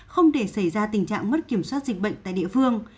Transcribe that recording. không để xảy ra tình trạng mất kiểm soát dịch bệnh tại địa phương